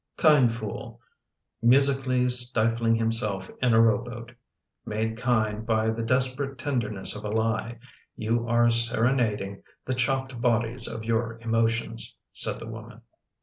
" Kind fool, musically stifling himself in a row boat — made kind by the desperate tenderness of a lie — you are seranading the chopped bodies of your emotions," said the woman.